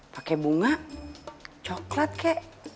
pakai bunga coklat keh